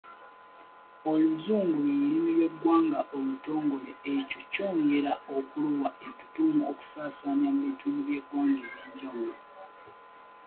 Oluzungu lwe lulimi lwe ggwanga olutongole ekyo kyongera okuluwa ettuttumu okusaasaanira mu bitundu by'eggwanga eby'enjawulo.